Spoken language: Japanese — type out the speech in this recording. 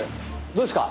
どうですか？